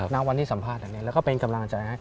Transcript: นักวันที่สัมภาษณ์แล้วก็เป็นกำลังใจ